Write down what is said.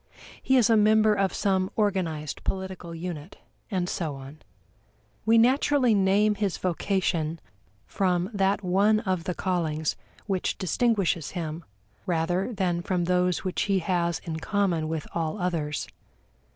He is a member of some organized political unit, and so on. We naturally name his vocation from that one of the callings which distinguishes him, rather than from those which he has in common with all others.